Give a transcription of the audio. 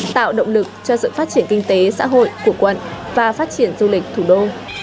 tạo động lực cho sự phát triển kinh tế xã hội của quận và phát triển du lịch thủ đô